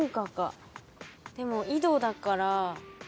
でも井戸だから。